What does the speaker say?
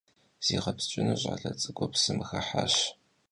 Ziğepsç'ınu ş'ale ts'ık'ur psım xıhaş.